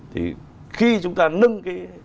thì khi chúng ta nâng